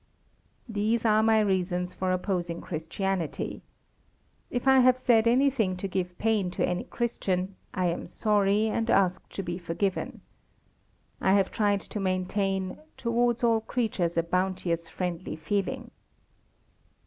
These are my reasons for opposing Christianity. If I have said anything to give pain to any Christian, I am sorry, and ask to be forgiven. I have tried to maintain "towards all creatures a bounteous friendly feeling."